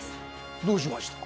どうしました？